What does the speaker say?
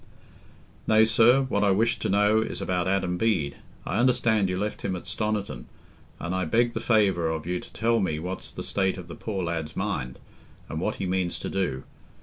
"Nay, sir, what I wish to know is about Adam Bede. I understand you left him at Stoniton, and I beg the favour of you to tell me what's the state of the poor lad's mind, and what he means to do.